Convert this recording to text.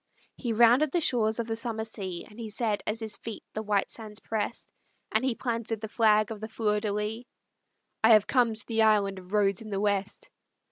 He rounded the shores of the summer sea, And he said as his feet the white sands pressed, And he planted the flag of the Fleur de lis: "I have come to the Island of Rhodes in the West.